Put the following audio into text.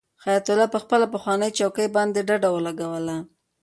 حیات الله په خپله پخوانۍ چوکۍ باندې ډډه ولګوله.